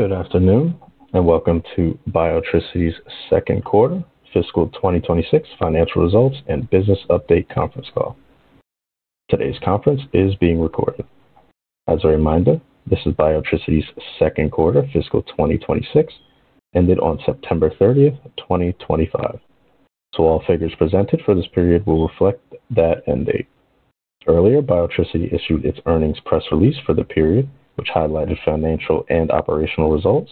Good afternoon, and welcome to Biotricity's second quarter, fiscal 2026 financial results and business update conference call. Today's conference is being recorded. As a reminder, this is Biotricity's second quarter, fiscal 2026, ended on September 30, 2025. All figures presented for this period will reflect that end date. Earlier, Biotricity issued its earnings press release for the period, which highlighted financial and operational results.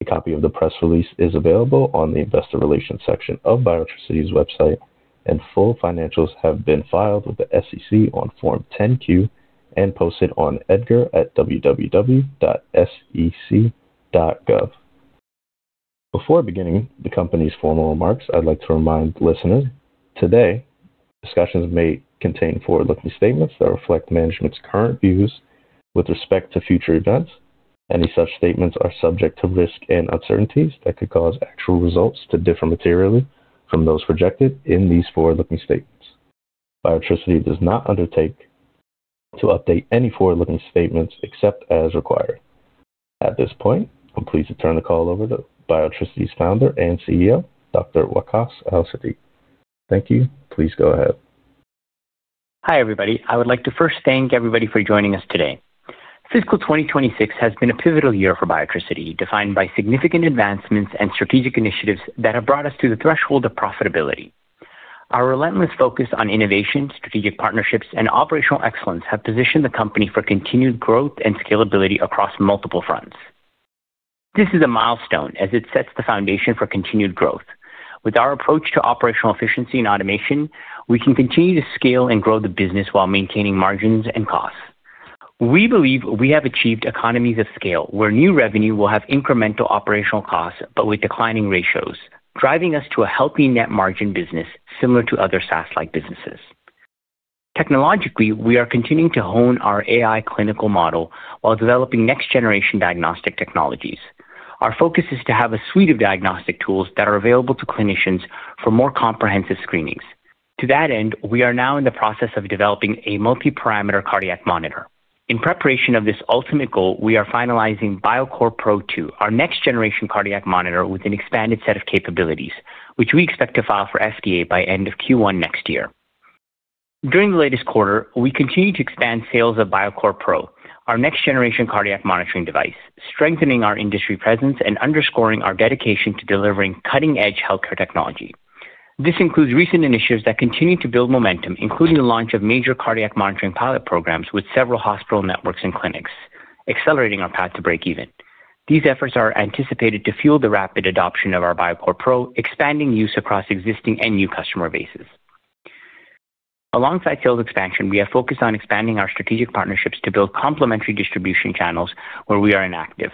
A copy of the press release is available on the investor relations section of Biotricity's website, and full financials have been filed with the SEC on Form 10-Q and posted on edgar@www.sec.gov. Before beginning the company's formal remarks, I'd like to remind listeners today discussions may contain forward-looking statements that reflect management's current views with respect to future events. Any such statements are subject to risk and uncertainties that could cause actual results to differ materially from those projected in these forward-looking statements. Biotricity does not undertake to update any forward-looking statements except as required. At this point, I'm pleased to turn the call over to Biotricity's founder and CEO, Dr. Waqaas Al-Siddiq. Thank you. Please go ahead. Hi everybody. I would like to first thank everybody for joining us today. Fiscal 2026 has been a pivotal year for Biotricity, defined by significant advancements and strategic initiatives that have brought us to the threshold of profitability. Our relentless focus on innovation, strategic partnerships, and operational excellence have positioned the company for continued growth and scalability across multiple fronts. This is a milestone as it sets the foundation for continued growth. With our approach to operational efficiency and automation, we can continue to scale and grow the business while maintaining margins and costs. We believe we have achieved economies of scale where new revenue will have incremental operational costs but with declining ratios, driving us to a healthy net margin business similar to other SaaS-like businesses. Technologically, we are continuing to hone our AI clinical model while developing next-generation diagnostic technologies. Our focus is to have a suite of diagnostic tools that are available to clinicians for more comprehensive screenings. To that end, we are now in the process of developing a multi-parameter cardiac monitor. In preparation of this ultimate goal, we are finalizing Biocore Pro 2, our next-generation cardiac monitor with an expanded set of capabilities, which we expect to file for FDA by end of Q1 next year. During the latest quarter, we continue to expand sales of Biocore Pro, our next-generation cardiac monitoring device, strengthening our industry presence and underscoring our dedication to delivering cutting-edge healthcare technology. This includes recent initiatives that continue to build momentum, including the launch of major cardiac monitoring pilot programs with several hospital networks and clinics, accelerating our path to break-even. These efforts are anticipated to fuel the rapid adoption of our Biocore Pro, expanding use across existing and new customer bases. Alongside sales expansion, we have focused on expanding our strategic partnerships to build complementary distribution channels where we are inactive.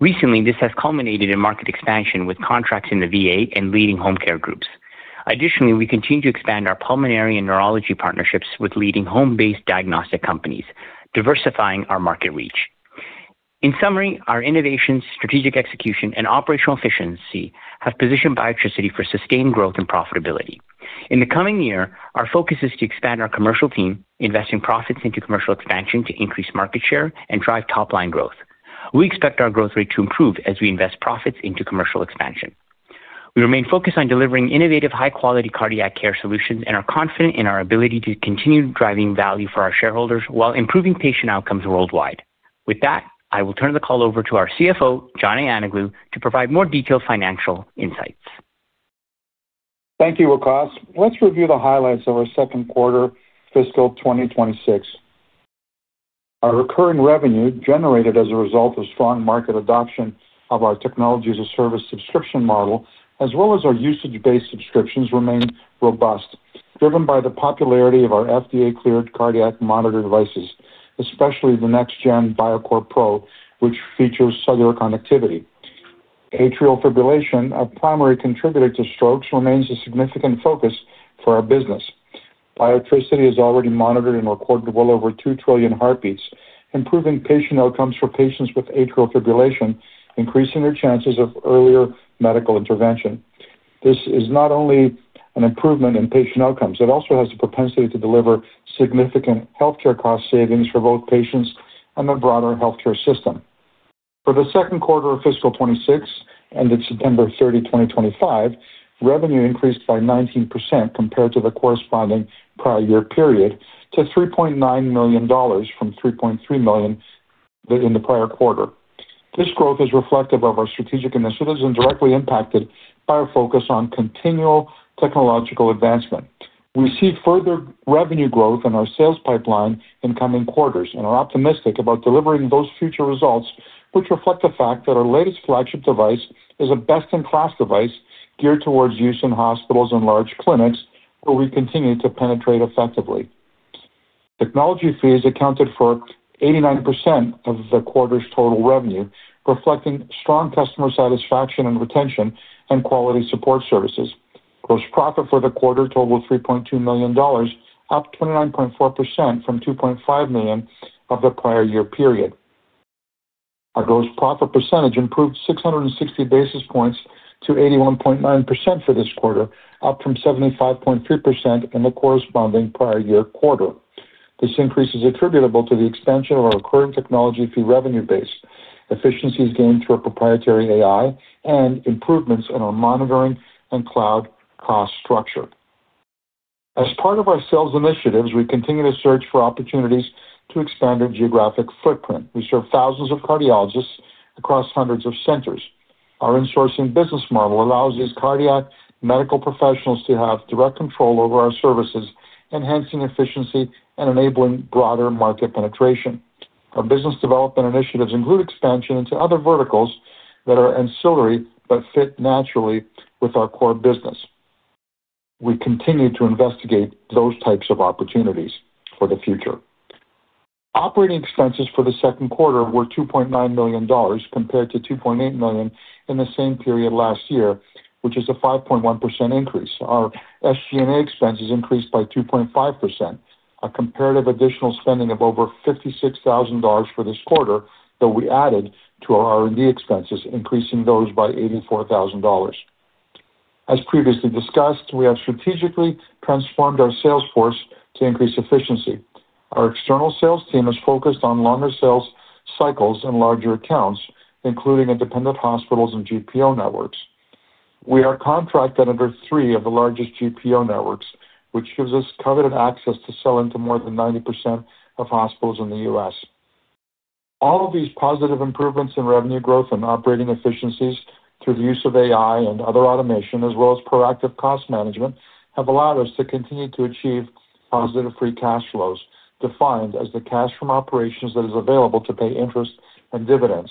Recently, this has culminated in market expansion with contracts in the VA and leading home care groups. Additionally, we continue to expand our pulmonary and neurology partnerships with leading home-based diagnostic companies, diversifying our market reach. In summary, our innovations, strategic execution, and operational efficiency have positioned Biotricity for sustained growth and profitability. In the coming year, our focus is to expand our commercial team, investing profits into commercial expansion to increase market share and drive top-line growth. We expect our growth rate to improve as we invest profits into commercial expansion. We remain focused on delivering innovative, high-quality cardiac care solutions and are confident in our ability to continue driving value for our shareholders while improving patient outcomes worldwide. With that, I will turn the call over to our CFO, John Ayanoglou, to provide more detailed financial insights. Thank you, Waqaas. Let's review the highlights of our second quarter, fiscal 2026. Our recurring revenue generated as a result of strong market adoption of our technology as a service subscription model, as well as our usage-based subscriptions, remains robust, driven by the popularity of our FDA-cleared cardiac monitor devices, especially the next-gen Biocore Pro, which features cellular connectivity. Atrial fibrillation, a primary contributor to strokes, remains a significant focus for our business. Biotricity has already monitored and recorded well over 2 trillion heartbeats, improving patient outcomes for patients with atrial fibrillation, increasing their chances of earlier medical intervention. This is not only an improvement in patient outcomes, it also has the propensity to deliver significant healthcare cost savings for both patients and the broader healthcare system. For the second quarter of fiscal 2026 ended September 30, 2025, revenue increased by 19% compared to the corresponding prior year period to $3.9 million from $3.3 million in the prior quarter. This growth is reflective of our strategic initiatives and directly impacted by our focus on continual technological advancement. We see further revenue growth in our sales pipeline in coming quarters and are optimistic about delivering those future results, which reflect the fact that our latest flagship device is a best-in-class device geared towards use in hospitals and large clinics where we continue to penetrate effectively. Technology fees accounted for 89% of the quarter's total revenue, reflecting strong customer satisfaction and retention and quality support services. Gross profit for the quarter totaled $3.2 million, up 29.4% from $2.5 million of the prior year period. Our gross profit percentage improved 660 basis points to 81.9% for this quarter, up from 75.3% in the corresponding prior year quarter. This increase is attributable to the expansion of our current technology fee revenue base, efficiencies gained through our proprietary AI, and improvements in our monitoring and cloud cost structure. As part of our sales initiatives, we continue to search for opportunities to expand our geographic footprint. We serve thousands of cardiologists across hundreds of centers. Our insourcing business model allows these cardiac medical professionals to have direct control over our services, enhancing efficiency and enabling broader market penetration. Our business development initiatives include expansion into other verticals that are ancillary but fit naturally with our core business. We continue to investigate those types of opportunities for the future. Operating expenses for the second quarter were $2.9 million compared to $2.8 million in the same period last year, which is a 5.1% increase. Our SG&A expenses increased by 2.5%, a comparative additional spending of over $56,000 for this quarter, that we added to our R&D expenses, increasing those by $84,000. As previously discussed, we have strategically transformed our sales force to increase efficiency. Our external sales team is focused on longer sales cycles and larger accounts, including independent hospitals and GPO networks. We are contracted with three of the largest GPO networks, which gives us coveted access to sell into more than 90% of hospitals in the U.S. All of these positive improvements in revenue growth and operating efficiencies through the use of AI and other automation, as well as proactive cost management, have allowed us to continue to achieve positive free cash flows defined as the cash from operations that is available to pay interest and dividends.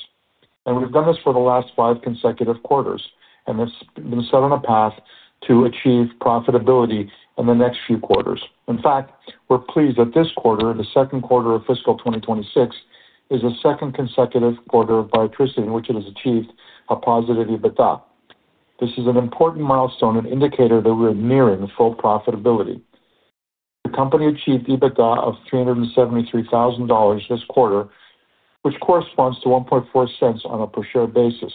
We have done this for the last five consecutive quarters, and it has been set on a path to achieve profitability in the next few quarters. In fact, we are pleased that this quarter, the second quarter of fiscal 2026, is the second consecutive quarter of Biotricity in which it has achieved a positive EBITDA. This is an important milestone and indicator that we are nearing full profitability. The company achieved EBITDA of $373,000 this quarter, which corresponds to $1.40 on a per-share basis.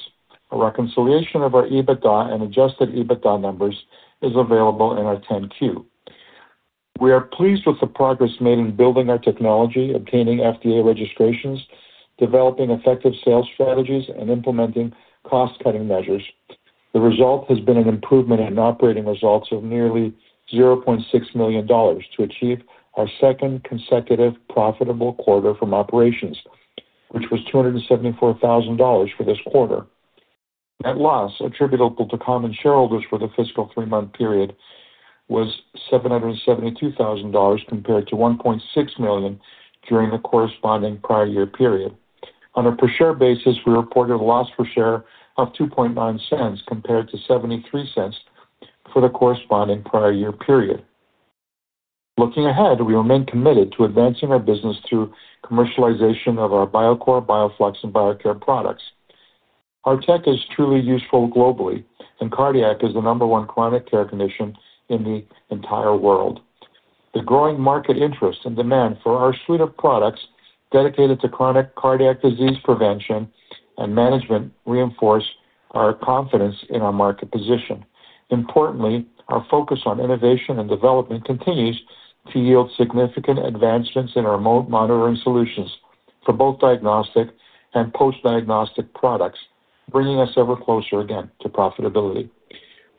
A reconciliation of our EBITDA and adjusted EBITDA numbers is available in our 10-Q. We are pleased with the progress made in building our technology, obtaining FDA registrations, developing effective sales strategies, and implementing cost-cutting measures. The result has been an improvement in operating results of nearly $0.6 million to achieve our second consecutive profitable quarter from operations, which was $274,000 for this quarter. Net loss attributable to common shareholders for the fiscal three-month period was $772,000 compared to $1.6 million during the corresponding prior year period. On a per-share basis, we reported a loss per share of $0.029 compared to $0.73 for the corresponding prior year period. Looking ahead, we remain committed to advancing our business through commercialization of our Biocore, Bioflux, and Biocare products. Our tech is truly useful globally, and cardiac is the number one chronic care condition in the entire world. The growing market interest and demand for our suite of products dedicated to chronic cardiac disease prevention and management reinforce our confidence in our market position. Importantly, our focus on innovation and development continues to yield significant advancements in our remote monitoring solutions for both diagnostic and post-diagnostic products, bringing us ever closer again to profitability.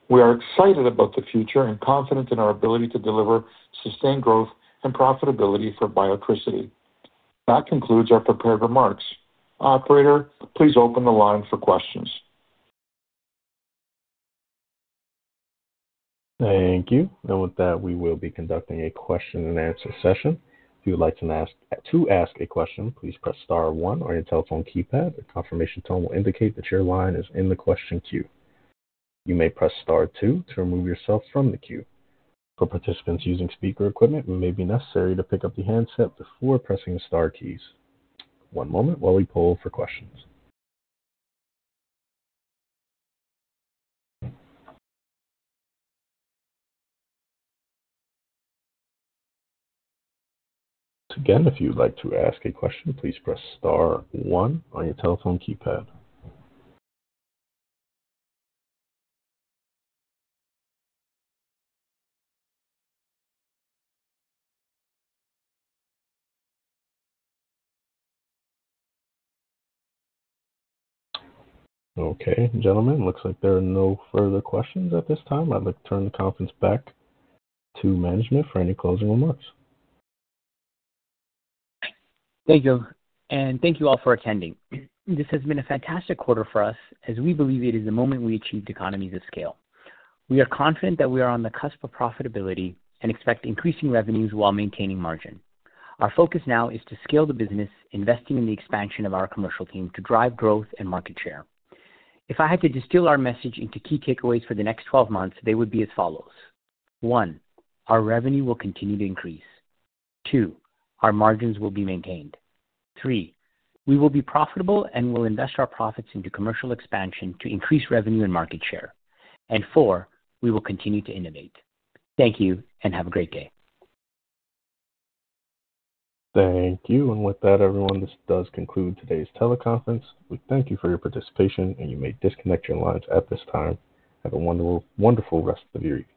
We are excited about the future and confident in our ability to deliver sustained growth and profitability for Biotricity. That concludes our prepared remarks. Operator, please open the line for questions. Thank you. With that, we will be conducting a question-and-answer session. If you would like to ask a question, please press star one on your telephone keypad. A confirmation tone will indicate that your line is in the question queue. You may press star two to remove yourself from the queue. For participants using speaker equipment, it may be necessary to pick up the handset before pressing the star keys. One moment while we poll for questions. Once again, if you'd like to ask a question, please press star one on your telephone keypad. Okay, gentlemen, looks like there are no further questions at this time. I'd like to turn the conference back to management for any closing remarks. Thank you. Thank you all for attending. This has been a fantastic quarter for us, as we believe it is the moment we achieved economies of scale. We are confident that we are on the cusp of profitability and expect increasing revenues while maintaining margin. Our focus now is to scale the business, investing in the expansion of our commercial team to drive growth and market share. If I had to distill our message into key takeaways for the next 12 months, they would be as follows. One, our revenue will continue to increase. Two, our margins will be maintained. Three, we will be profitable and will invest our profits into commercial expansion to increase revenue and market share. Four, we will continue to innovate. Thank you and have a great day. Thank you. And with that, everyone, this does conclude today's teleconference. We thank you for your participation, and you may disconnect your lines at this time. Have a wonderful rest of your evening.